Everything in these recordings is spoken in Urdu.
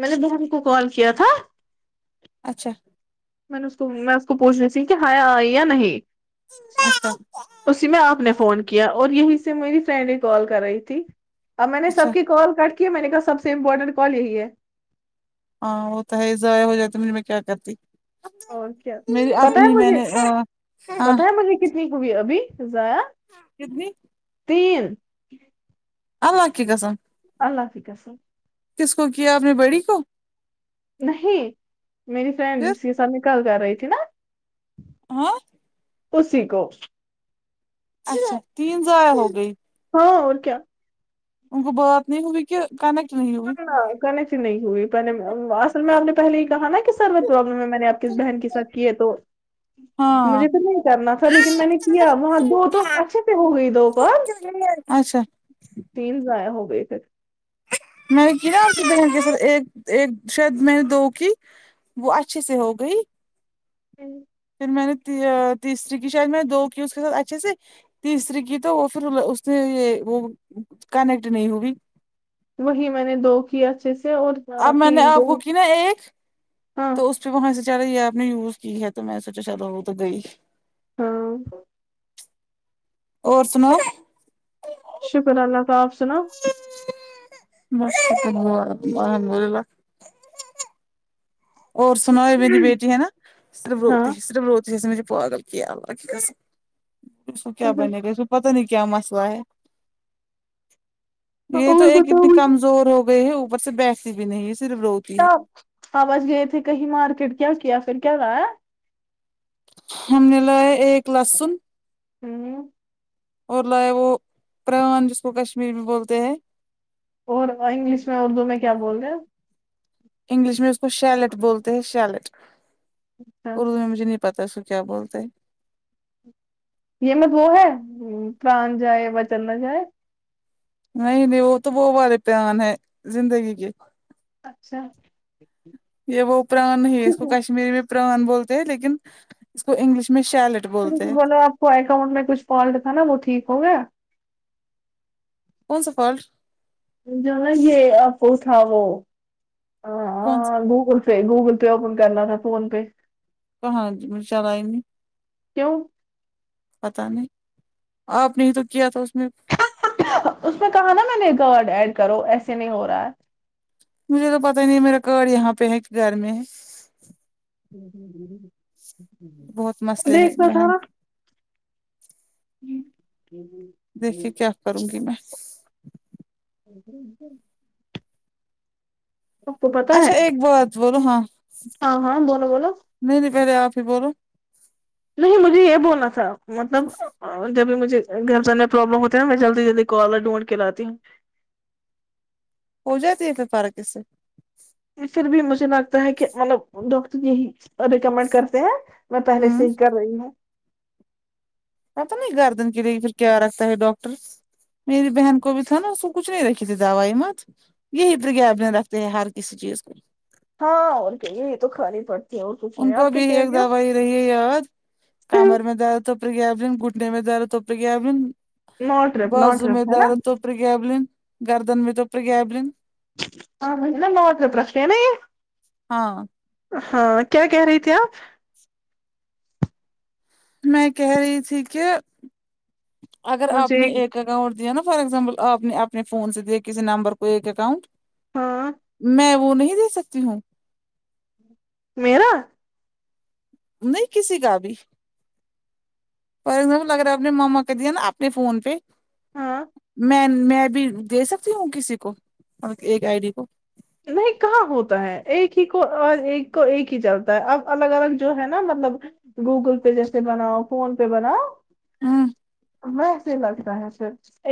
میں نے بہن کو کال کیا تھا اچھا میں نے اس کو میں اس کو پوچھنی س کہ ہیا آئی یا نہیں [unintelligible] اسی میں آپ نے فون کیا اور یہی سے میری فرینڈ ہی کال کر رہی تھی اب میں نے اچھا سب کی کال کٹ کی ہے میں نے کہا سب سے امپورٹنٹ کال یہی ہے ہاں وہ تو ہے ضائع ہو جاتا مجھے میں کیا کرتی اور کیا میری پتا ہے اپنی میں مجھے نے ہاں پتا ہے مجھے کتنی کو بھی ابھی ضاع کتنی تین اللہ کی قسم اللہ کی قسم کس کو کیا آپ نے بڑی کو نہیں میری فرینڈ پھر اسی کے ساتھ نکال کر رہی تھی نا آ اسی کو اچھا تین ضایع ہو گئی ہاں اور کیا ان کو بات نہیں ہوئی کہ کنیکٹ نہیں ہوئی کنیکٹ نہیں ہوئی پہلے اصل میں آپ نے پہلے یہ کہا نا کہ سروت پرابلم ہے میں نے آپس بہن کے سات کی ہے تو ہاں مجھے تو نہیں کرنا تھا لیکن میں نے کیا وہاں دو تو اچھے سے ہو گئی دو کال اچھا تین ضایع ہو گے تھ میں نے کی نا ک د گ سر ایک ایک شاید میں نے دو کی وہ اچھے سے ہو گئی ھمم پھر میں نے تیسری کی شاید میں دو کی اس کے ساتھ اچھے سے تیسری کی تو وہ پھر اس نے یہ وہ کنیکٹ نہیں ہوئی وہی میں نے دو کیا اچھے سے اور آ میں نے تین کو آبک نا ایک ہاں تو اس پہ وہاں سے چارا یہ ایپ نے یوز کی ہے تو میں سوچا چا وہ تو گئی ہاں اور سناو [unintelligible] شکر اللہ تعال آف سناو مشح بول للہ [unintelligible] اور سناو ہو میری بیٹی ہےا سرف ہاں روتی سرف روتی م پاگل کیا کیا بن گ س [unintelligible] پت نہیں کیا مسئلہ ہے یہ تو اور ایک بتاؤ اتنی مجھے کم زور ہو گئے ہے اوپر سے بیسی بھی نہیں ہے صرف روتی ہے آوااز گئے تھے کہیں مارکیٹ کیا کیا پھر کیا رہا ہے ہم نے ل ایک لسن [unintelligible] ھمم اور لاائے وہ پران جس کو کشمیری میں بولتے ہیں اور انگلش میں اردو میں کیا بول رہے ہیں انگلش میں اس کو شیلٹ بولتے ہیں شیلٹ اچھا اردو میں مجھے پتا ہے سو کیا بولتے ہیں یہ میںت وہ ہے پران جائے و چنا جائے نہیں نہیں وہ تو بہ بارے پیار ہے زندگی کے اچھا یہ وہ پران نہیں ہے اس کو کشمیری میں پران بولتے ہیں لیکن اس کو انگلش میں شیل تو مجھے بوللاو آپ کو اکاؤنٹ میں کچھ فالٹ تھا نا وہ ٹھیک ہو گیا کون سا فل [unintelligible] جو نا یہ ا فو تھا تھا وہ ہ کون سا گوگل پے گوگل پے اپن کرنا تھا فون پے پ ہاں ج م چلائی نہیں [unintelligible] کیوں پتا نہیں آپ نے تو کیا تھا اس میں [unintelligible] اس میں کہا نا میں نے گارڈ ایڈ کرو ایسے نہیں ہو رہا ہے مجھے تو پتا ہی نہیں ہے میرا گ یہاں پہ ہے گھر میں ہے بہت مسئلے ہے دیکھنا تھا بہن ہ دیکھیے کیا کروں گی میں ا آپ کو پتا ہے اچھا ایک بات بولو ہاں ہاں ہاں بولو بولو نہیں نہیں پہلے آپ ہی بولو نہیں مجھے یہ بولنا تھا مطلب اور جب بھی مجھے گن سان میں پرابلم ہوتی ہے نا میں جلدی جلدی کالر ڈھونڈ کے لاتی ہوں ہو جاتی ہے پھر پارک سے پھر بھی مجھے لگتا ہے کہ مطلب ڈاکٹر یہی ریکمینڈ کرتے ہیں میں پہلے ہوں سے ہی کر رہی ہ پتا نہیں گار دن کے لیے پھر کیا رکھتا ہے ڈاکٹر میری بہن کو بھی تھا نا اس کچھ نہیں رکھی تھی دوائی مت یہی پرگب رکھتے ہیں ہر کسی چیز کو ہاں اور کہی یہ تو خر ہی پڑتی ہے اور کچھ ان نہیں کو آپ کیا بھی کہہ ایک رہی دوائی رہی کمر ہو میں درد طو پر گیبلن گھٹنے میں درد تو پر گیبلن ناٹ رپ ناٹ بازو میں رپ ہے نا درد تو پریگبلن گردن متاو پ پرگبلن آ نا موٹر پرش نا یہ ہاں ہاں کیا کہہ رہی ت آپ میں کہہ رہی تھی کہ اگر آپ مجھے نے ایک اکاؤنٹ نا فار ایگزامپل آپ نے اپنے فون سے دیا کسی نمبر کو ایک اکاؤنٹ ہاں میں وہ نہیں دے سکتی ہوں میرا نہیں کسی کا بھی فار ایگزامپل اگر اپنے ما کے دیا نا اپنے فون پہ ہاں میں میں بھی دے سکتی ہوں کسی کو مط ایک آئی ڈی کو نہیں کہاں ہوتا ہے ایک ہی کو اور ایک کو ایک ہی چلتا ہے اب الگ الگ جو ہے نا مطلب گوگل پے جیسے بناؤ فون پے بناؤ ہوں ہمر س لگ رہ ہے تھ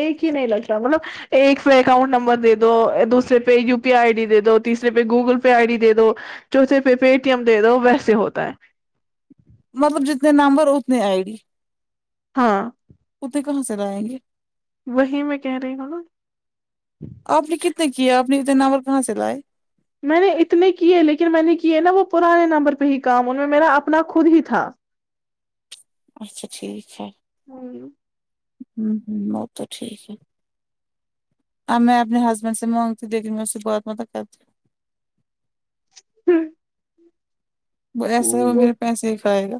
ایک ہی نہیں لگ رہا مطلب ایک پہ اکاؤنٹ نمبر دے دو دوسرے پہ پے آئی ڈی د دو تیسرے پہ گوگل پے آئی ڈی دے دو چوتھے پہ پے ٹی ایم دے دو ویسے ہوتا ہے مطلب جتنے نمبر اتنی آئے ڈی ہاں اے کہاں سے لائیں گے وہیں میں کہہ رہی ہوں نو آپ نے کتنے کیا آپ نے اتنے ناور کہاں سے لائے میں نے اتنے کیے لیکن میں نے کیے نا وہ پرانے نمبر پہ ہی کام ان میں میرا اپنا خود ہی تھا اچھا ٹھیک ہے ہوں ہوں ہوں وہ تو ٹھیک ہے اب میں اپنے ہسبینڈ سے مانگتی لیکن میں اس سے بہت متل کرتی ہوں وہ ایسا ہے وہ میرے پیسے ہی کھائے گا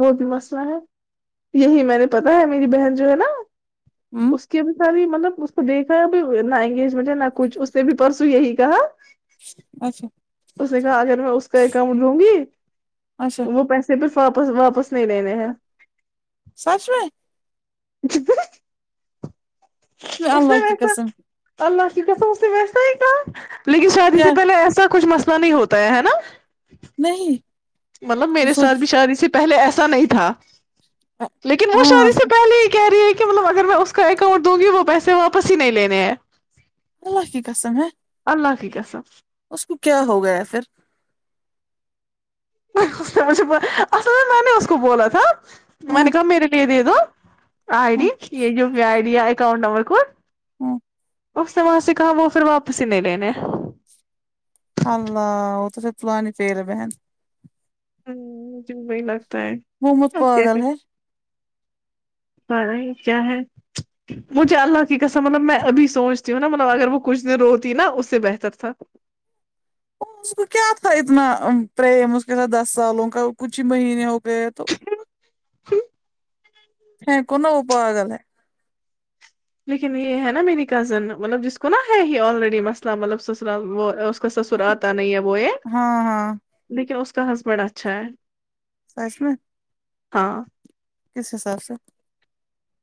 وہ بھی مسئلہ ہے یہی میں نے پتا ہے میری بہن جو ہے نا ہوں اس کی بھی ساری مطلب تو دیکھا ہے اب نہ انگیجمنٹ ہے نہ کچھ اس نے بھی پرسوں یہی کہا اچھا اس نے کہا اگر میں اس کا اکاؤنٹ دوں گی اچھا تو وہ پیسے پہ فاپ واپس واپس نہیں ل لینے ہیں سچ میں [inaudible] میں اس نے اللہ کی ویسا قسم اللہ کی پسا اس نے ویسا ہی کام لیکن شادی سے کیا پہلے ایسا کچھ مسئلہ نہیں ہوتا ہے ہے نا نہیں مطلب تم میرے ساتھ سوچ بھی شادی اس سے پہلے ایسا نہیں تھا لیکن وہ ہاں شادی سے پہلے ہی کہہ رہی ہے کہ مطلب اگر میں اس کا اکاؤنٹ دوں گی وہ پیسے واپس ہی نہیں لینے ہیں اللہ کی قسم ہیں اللہ کی قسم اس کو کیا ہو گیا پھر اصل میں میں نے اس کو بولا تھا ہاں منکا میر لیدے دوو آئی ہاں ڈی ای آ ڈی اکؤنٹ نمبر کو ہاں اس نے وہاں سے کہا وہ پھر واپس ہی نہیں لینے اللہ وہ تو پھر پلاانی پے رہ ہے بہن ہ مجھے وہی لگتا ہے وہ مت اپ کیا پاگل کر ہے پائی کیا ہے مجھے اللہ کی کسم مطلب میں ابھی سوچتی ہوں نا مطلب اگر وہ کچھ دیر روتی ہے نا اس سے بہتر تھا اس کو کیا تھا اتنا پریم اس کے س دس سالوں کا کچھ ہی مہینے ہو گئے تو ہ کن اوہ پاگل ہے لیکن یہ ہے نا میری کزن مطلب جس کو نا ہے ہی آلریڈی مسئلہ مطلب سسر وہ کا سسر آتا نہیں ہے وہ یہ ہاں ہاں دیکھیے اس کا ہزبینڈ اچھا ہے سچ میں ہاں کس حساب سے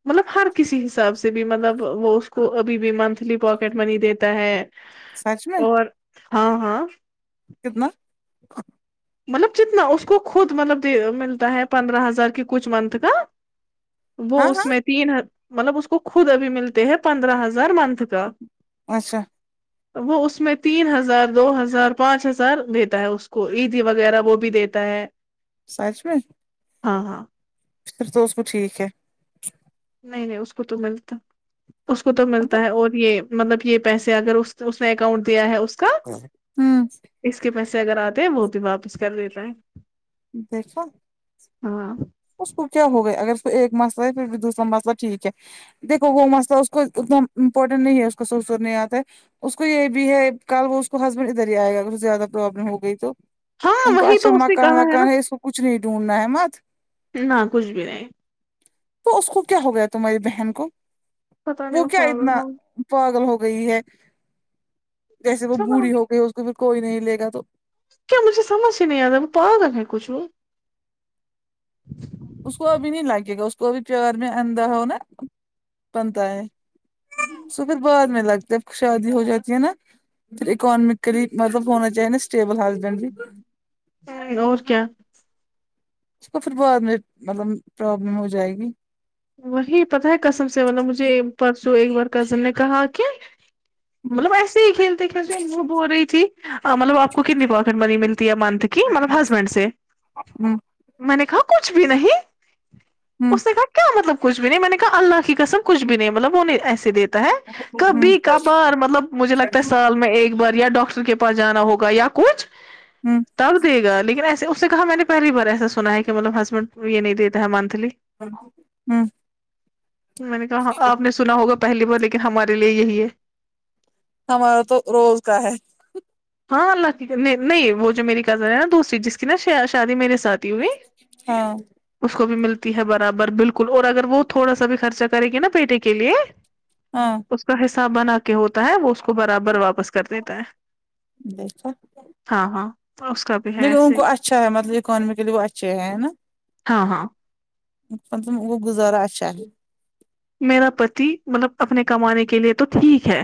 مطلب ہر کسی حساب سے بھی مطلب وہ اس کو ابھی بھی منتھلی پاکیٹ منی دیتا ہے سچ میں اور ہاں ہاں کتنا مطلب جتنا اس کو خود مطلب ملتا ہے پندرہ ہزار کی کچھ منتھ کا وہ ہاں اس ہاں میں تین مطلب اس کو خود ابھی ملتے ہیں پندرہ ہزار منتھ کا اچھا وہ اس میں تین ہزار دو ہزار پانچ ہزار دیتا ہے اس کو ایک وغیرہ وہ بھی دیتا ہے سچ میں ہاں ہاں پھر تو اس کو ٹیک ہے نہیں نہیں اس کو تو ملتا اس کو تو مطلب۔ ملتا ہے اور یہ مطلب یہ پیسے اگر اس نے اکاؤنٹ دیا ہے اس کا ہوں اس کے پیسے اگر آتے ہیں وہ بھی واپس کر لیتا ہے دیکھو ہاں اس کو کیا ہو گیا اگر اس ایک مسئلہ ہے پھر دوسرا مسئلہ ٹھیک ہے دیکو وہ مسئلہ اس کو ایک دم امپورٹنٹ نہیں ہے اس کو سولوے کرنے آتا ہے اس کو یہ بھی ہے کل وہ اس کو ادر ہی آئے گا اگر اس سے زیادہ پرابلم ہو گئی تو ہاں ان کو وہی اچھا تو اس نے مکان کہا نا وکان ہے اس کو کچھ نہیں ڈھونڈنا ہے مت نہ کچھ بھی نہیں تو اس کو کیا ہو گیا تمہاری بہن کو پتا نہیں وہ کیا پاگل اتنا ہو پاگل ہو گئی ہے جیسے وہ بوڑھی ہو گئی اس کو پ کوئی نہیں لے گا تو کیا مجھ سمجھ نہیں آد ہے ب پغک ہے کچھ اس کو ابھی نہیں لاگے گا اس کو ابھی قبر میں اندھا ہوناا بنتا ہے پھر بعد لگتا ہے شادی ہو جاتی ہے نا پھر اکانمکلی مطلب ہونا چاہی نا اسٹیبل ہال [unintelligible] اور کیا اس کو پھر بعد میں مطلب پرابلم ہو جائے گی وہی پتہ ہے کسم سے ما مجھے پرسوں ایک بار کزن نے کہا کہ ہوں مطلب ایسے ہی کھیلتے کھیلتے انوب ہو رہی تھی مطلب آپ کو کتنی پاکٹ بنی ملتی منتھ کی مطلب ہسبینڈ سے ہوں میں نے کہا کچھ بھی نہیں ھمم اس نے کہا کیا مطلب کچ بھی نہیں میں نے کہا اللہ کی قسم کچھ بھی نہیں مطلب وہ نہیں ایسے دیتے ہے ہوں کبھی کھار مطلب مجھے لگتا ہے سال میں ایک بار یا ڈاکٹر کے پاس جانا ہوگا یا کچھ ہوں تب دے گا لیکن ایسے اس سے کہا میں نے پاہلی بار ہے ایا سنا ہے کہ مطب ہسبینڈ یہ نہیں دیتا ہے منتھلی ھمم میں نے کہا آپ نے سنا ہوگا پہلی بار لیکن ہمارے لیے یہی ہے ہمارا تو روز کا ہے ہاں اللہ کی نہیں وہ جو میری زر ہے نا دوسری جس کی نا شادی میرے ساتھ تی ہوئی ہاں اس کو بھی ملتی ہے برابر بالکل اور اگر وہ تھوڑا سا بھی خرچہ کرے گی نا بیٹے کے لیے [inaudible] ہاں اس کا حساب بنا کے ہوتا ہے وہ اس کو برابر واپس کر دیتا ہے دیکا ہاں ہاں تو اس کا بھی ہے ایسے اچھا ہے مطلبکانمکلی وہ اچھے ہیں نا ہاں ہاں مطلب وہ گزارا اچھا میرا پتی مطلب اپنے کمانے کے لیے تو ٹھیک ہے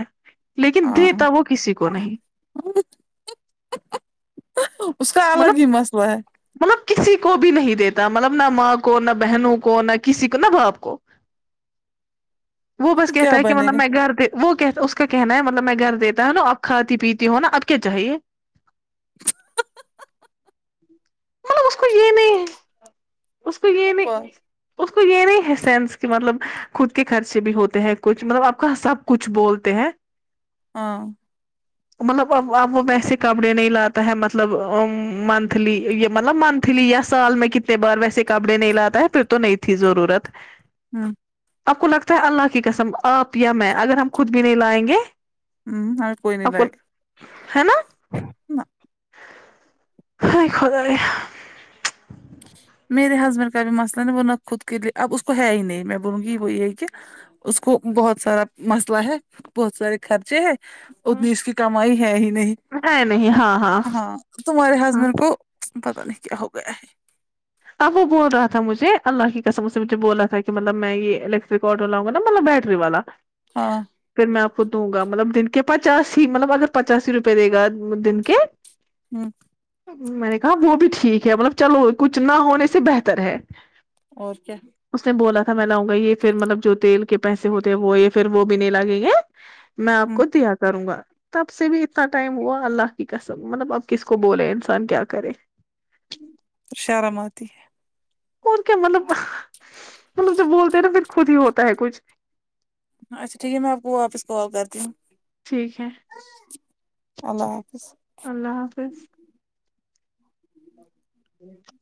لیکن دیتا وہ کسی کو نہیں [unintelligible] اس کا مطلب الگ ہی مسئلہ ہے مطلب کسی کو بھی نہیں دیتا مطلب نہ ماں کو نہ بہنوں کو نہ کسی کو نہ باپ کو وہ بس کیتا کیا ہے کہ بنے مب گا میں گھر وہ کہ اس کا کہنا ہے مطلب میں گھر دیتا ہوں نا اب کھاتی پیتی ہو نا اب کیا چاہیے [unintelligible] مطلب اس کو یہ نہیں ہے اس کو یہ نہیں اس کو یہ نہیں ہے سینس کہ مطلب خود کے خرچے بھی ہوتے ہیں کچھ مطلب آپ کا سب کچھ بولتے ہیں ہاں مطلب اب اب وہ ویسے کپڑے نہیں لاتا ہے مطلب منتھلی یا مطلب منتھلی یا سال میں کتنے بار ویسے کپڑے نہیں لاتا ہے پھر تو نہیں تھی ضرورت [unintelligible] آپ کو لگتا ہے اللہ کی قسم آپ یا میں اگر ہم خود بھی نہیں لائیں گے ہ اور کوئی ن آپ کو لائ [unintelligible] ہے نا ہ خدائے میرے ہسبینڈ کا بھی مسئلہ نہیں وہ نہ خود کے لیے اب اس کو ہے ہی نہیں میں بولوں گی وہ یہی کہ اس کو بہت سارا مسئلہ ہے بہت سارے خرچے ہے اتنی اس کی کمائی ہے ہی نہیں ہے نہیں ہاں ہاں تمہارے ہاں ہسبینڈ کو پت نہیں کیا ہو گیا ہے اب وہ بول رہا تھا مجھے اللہ کی قسم سے مجھے بول رہا تھا کہ مطلب میں یہ ال ریکارڈراؤ گاطلب بٹری والا ہاں پھر میں آپ کو دوں گا مطلب دن کے پچاسی مطلب اگر پچاسی روپئے دے گا دن کے [unintelligible] میں نے کہا وہ بھی ٹھیک ہے مطلب چلو کچھ نہ ہونے سے بہتر ہے [unintelligible] اس نے بولا تھا میں لاؤں گا یہ پھر مطلب جو تیل کے پیسے ہوتے ہیں وہ یہ پھر وہ بھی نہیں لگیں گے میں آپ ہوں کو دیا کروں گا تب سے بھی اتنا ٹائم ہوا اللہ کی کسم مطلب اب کس کو بولے انسان کیا کرے شارم آتی ہے اور کیا مطلب مطلب جوب بولتے ہیں نا پھر خود ہی ہوتا ہے کچھ اچھا ٹھیک ہے میں آپ کو واپس کال کرتی ہوں ٹھیک ہے اللہ حافظ اللہ حافظ [unintelligible]